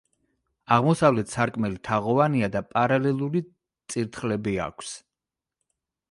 აღმოსავლეთ სარკმელი თაღოვანია და პარალელური წირთხლები აქვს.